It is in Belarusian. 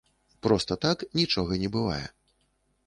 Проста так нічога не бывае.